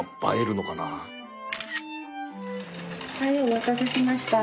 お待たせしました。